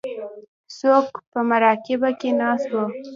څوک په مراقبه کې ناست وو.